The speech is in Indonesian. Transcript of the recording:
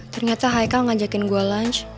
ternyata haikal ngajakin gue